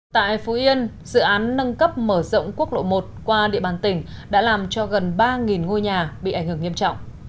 tại phú yên dự án nâng cấp mở rộng quốc lộ một qua địa bàn tỉnh đã làm cho gần ba ngôi nhà bị ảnh hưởng nghiêm trọng